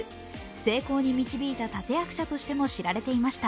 成功に導いた立て役者としても知られていました。